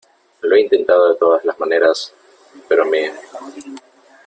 lo he intentado de todas las maneras , pero me ...